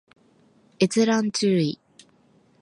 閲覧注意